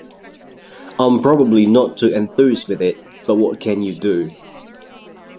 I'm probably not too enthused with it, but what can you do?